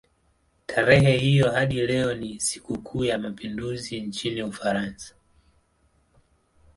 Tarehe hiyo hadi leo ni sikukuu ya mapinduzi nchini Ufaransa.